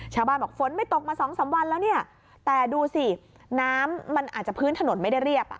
ชาวบ้านบอกฝนไม่ตกมาสองสามวันแล้วเนี่ยแต่ดูสิน้ำมันอาจจะพื้นถนนไม่ได้เรียบอ่ะ